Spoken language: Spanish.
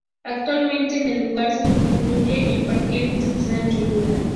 Actualmente en el lugar se construye el Parque Intermunicipal Cholula.